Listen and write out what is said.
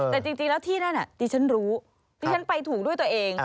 แต่จริงแล้วที่นั่นดิฉันรู้ดิฉันไปถูกด้วยตัวเอง